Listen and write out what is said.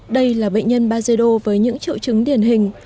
đây là bệnh nhân bajedo với những triệu chứng điển hình